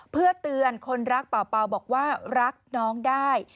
เพื่อเตือนคนรักเป่าบอกว่ารักน้องได้